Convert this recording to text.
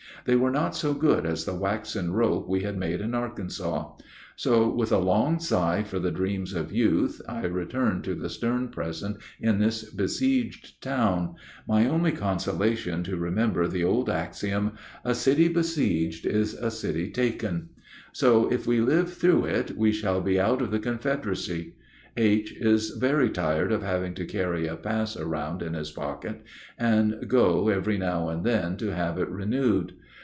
They were not so good as the waxen rope we had made in Arkansas. So, with a long sigh for the dreams of youth, I return to the stern present in this besieged town my only consolation to remember the old axiom, "A city besieged is a city taken," so if we live through it we shall be out of the Confederacy. H. is very tired of having to carry a pass around in his pocket and go every now and then to have it renewed.